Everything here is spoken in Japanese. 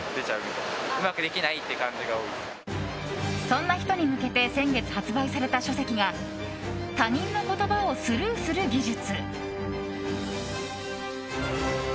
そんな人に向けて先月発売された書籍が「他人の言葉をスルーする技術」。